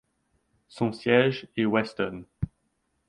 Son siège est Weston.